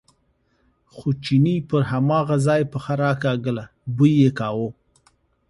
خو چیني پر هماغه ځای پښه راکاږله، بوی یې کاوه.